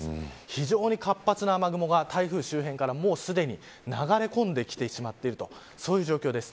非常に活発な雨雲が台風周辺からすでに流れ込んできてしまっているそういう状況です。